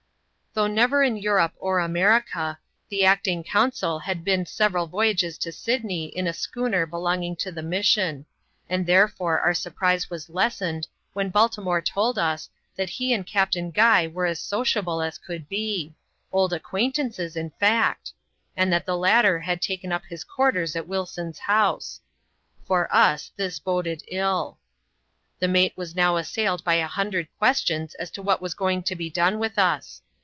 Though never in Europe or America, the acting consul had been several voyages to Sydney in a schooner belonging to the mission ; and therefore our surprise was lessened, when Balti more told us, that he and Captain Guy were as sociable as could be — old acquaintances, in fact ; and that the latter had taken up his quarters at Wilson's house. For us, this boded ilL . The mate was now assailed by a hundred questions as to what was going to be done with us.